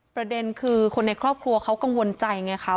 ประเด็นคือคนในครอบครัวเขากังวลใจไงคะ